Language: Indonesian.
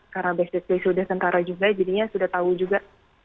karena base base sudah sentara juga jadinya sudah tahu juga